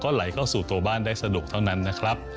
ไหลเข้าสู่ตัวบ้านได้สะดวกเท่านั้นนะครับ